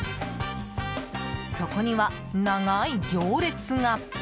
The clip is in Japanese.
そこには、長い行列が。